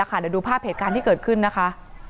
เดี๋ยวดูภาพเหตุการณ์ที่เกิดขึ้นนะคะ